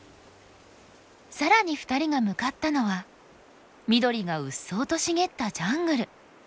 更に２人が向かったのは緑がうっそうと茂ったジャングル。